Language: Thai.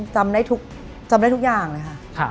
จำได้ทุกอย่างเลยค่ะ